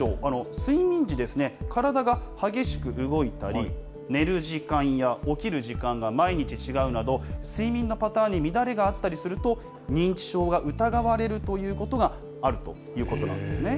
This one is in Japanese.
睡眠時、体が激しく動いたり、寝る時間や起きる時間が毎日違うなど、睡眠のパターンに乱れがあったりすると、認知症が疑われるということがあるということなんですね。